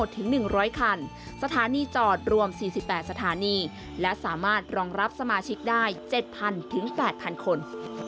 ถึง๑๐๐คันสถานีจอดรวม๔๘สถานีและสามารถรองรับสมาชิกได้๗๐๐๘๐๐คน